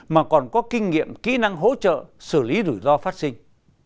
mà còn có kinh nghiệm kỹ năng hỗ trợ xử lý rủi ro phát sinh